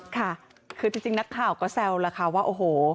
ค่ะคือจริงนักข่าวก็แซวแล้วค่ะว่าโอ้โห